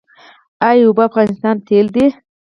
آیا اوبه د افغانستان تیل دي؟